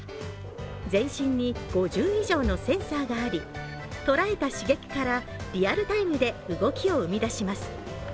全身に５０以上のセンサーがありとらえた刺激からリアルタイムで動きを生み出します。